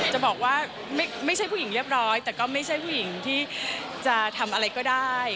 จะบอกว่าไม่ใช่ผู้หญิงเรียบร้อยแต่ก็ไม่ใช่ผู้หญิงที่จะทำอะไรก็ได้